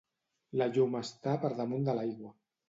La llum està per damunt de l'aigua.